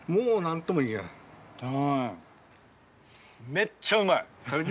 めっちゃうまい！